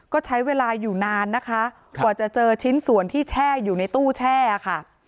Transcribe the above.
ก็ใช้เวลาอยู่นานนะคะกว่าจะเจอชิ้นส่วนที่แช่อยู่ในตู้แช่ค่ะ